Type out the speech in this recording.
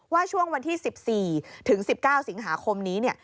ว่าช่วงวันที่๑๔ถึง๑๙สิงหาคมนี้